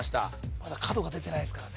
まだ角が出てないですかね